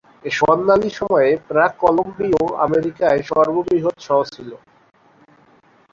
এর স্বর্ণালী সময়ে প্রাক-কলম্বীয় আমেরিকায় সর্ববৃহৎ শহর ছিল।